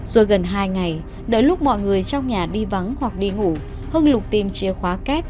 rồi gần hai ngày đợi lúc mọi người trong nhà đi vắng hoặc đi ngủ hưng lục tìm chìa khóa két